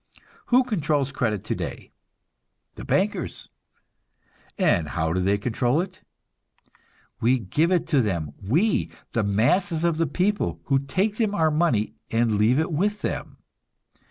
Who controls credit today? The bankers. And how do they control it? We give it to them; we, the masses of the people, who take them our money and leave it with them.